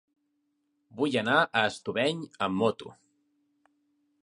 Vull anar a Estubeny amb moto.